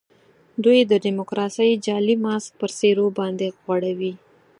دوی د ډیموکراسۍ جعلي ماسک پر څېرو باندي غوړوي.